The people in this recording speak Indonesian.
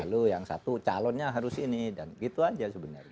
lalu yang satu calonnya harus ini dan gitu aja sebenarnya